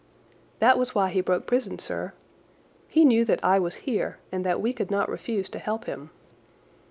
That was why he broke prison, sir. He knew that I was here and that we could not refuse to help him.